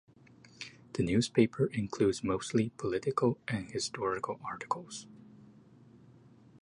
The newspaper includes mostly political and historical articles.